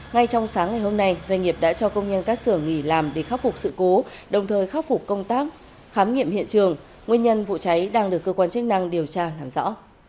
ngay trong sáng ngày hôm nay doanh nghiệp đã cho công nhân các xưởng nghỉ làm để khắc phục sự cố đồng thời khắc phục công tác khám nghiệm hiện trường nguyên nhân vụ cháy đang được cơ quan chức năng điều tra làm rõ